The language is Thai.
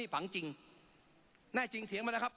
ฝังจริงแน่จริงเถียงมานะครับ